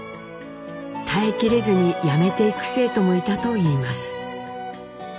耐えきれずに辞めていく生徒もいたといいます。